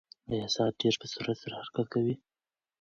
ایا ساعت ډېر په سرعت سره حرکت کوي؟